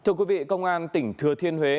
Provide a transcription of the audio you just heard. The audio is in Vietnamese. thưa quý vị công an tỉnh thừa thiên huế